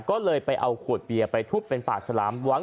ก็เลยไปเอาขวดเบียไปทุบเป็นปากสลาม